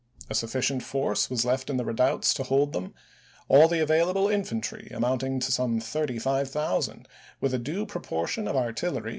A sufficient force was left in the redoubts to hold them; all the available infantry, amounting to some 35,000, with a due proportion of artillery Ph?